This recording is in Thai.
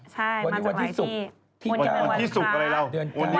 ใช่มาจากหลายที่